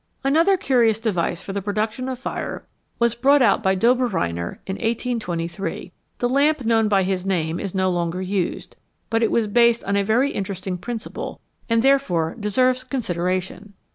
Another curious device for the production of fire was brought out by Dobereiner in 1823. The lamp known by his name is no longer used, but it was based on a very interesting principle, and therefore deserves consideration.